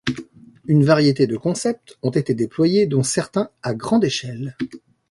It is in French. Une variété de concepts ont été déployés, dont certains à grande échelle.